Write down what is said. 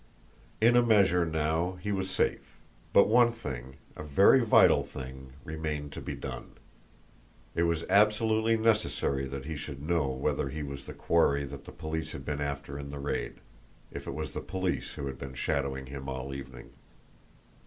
In a measure, now, he was safe; but one thing, a very vital thing, remained to be done. It was absolutely necessary that he should know whether he was the quarry that the police had been after in the raid, if it was the police who had been shadowing him all evening.